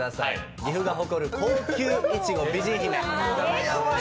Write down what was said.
岐阜が誇る高級いちご、美人姫。